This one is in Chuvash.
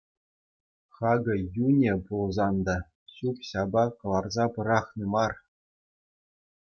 Хакӗ йӳнӗ пулсан та ҫӳп-ҫапа кӑларса пӑрахни мар.